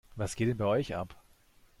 Was geht denn bei euch ab?